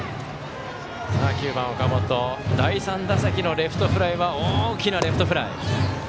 ９番岡元第３打席のレフトフライは大きなレフトフライ。